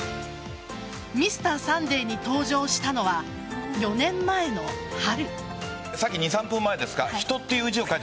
「Ｍｒ．サンデー」に登場したのは４年前の春。